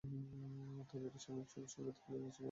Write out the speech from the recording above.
তবে এটি সাময়িক, সবুজ সংকেত পেলেই এসব মাধ্যম খুলে দেওয়া হবে।